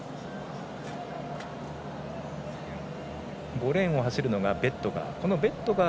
５レーンを走るのがベットガー。